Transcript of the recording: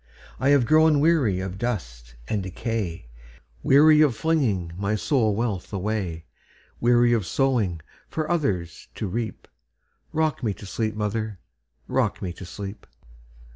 I have grown weary of dust and decay,—Weary of flinging my soul wealth away; Weary of sowing for others to reap;—Rock me to sleep, mother,—rock me to sleep!